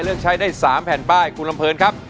เลือกใช้ได้๓แผ่นป้ายคุณลำเพลินครับ